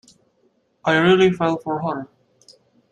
I really fell for her.